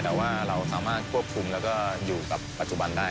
แต่ว่าเราสามารถควบคุมแล้วก็อยู่กับปัจจุบันได้